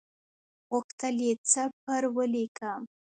غوښتل یې څه پر ولیکم.